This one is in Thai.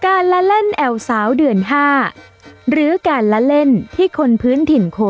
ละเล่นแอวสาวเดือน๕หรือการละเล่นที่คนพื้นถิ่นโค